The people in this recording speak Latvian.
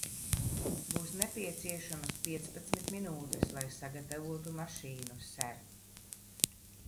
Būs nepieciešamas piecpadsmit minūtes, lai sagatavotu mašīnu, ser.